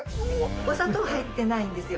お砂糖入ってないんですよ。